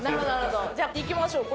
じゃいきましょう。